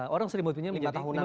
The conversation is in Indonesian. orang selimutnya menjadi lima tahunan